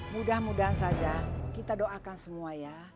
mudah mudahan saja kita doakan semua ya